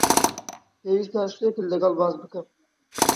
پێویستە شتێکت لەگەڵ باس بکەم.